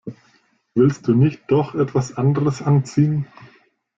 Willst du nicht doch etwas anderes anziehen?